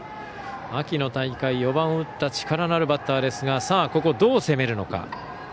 秋の大会、４番を打った力のあるバッターですがここ、どう攻めるのか。